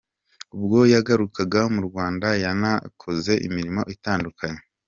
Ubwo yagarukaga mu Rwanda yanakoze imirimo itandukanye.